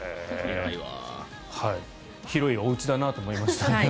広いお家だなと思いました。